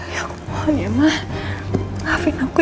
lakukan sebalik ini